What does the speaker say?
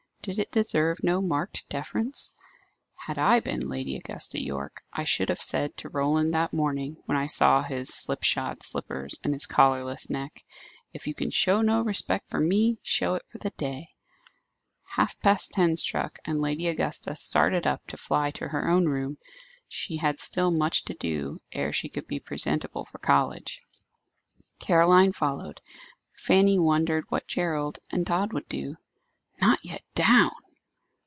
Did it deserve no marked deference? Had I been Lady Augusta Yorke, I should have said to Roland that morning, when I saw his slip shod slippers and his collarless neck, "If you can show no respect for me, show it for the day." Half past ten struck, and Lady Augusta started up to fly to her own room. She had still much to do, ere she could be presentable for college. Caroline followed. Fanny wondered what Gerald and Tod would do. Not yet down!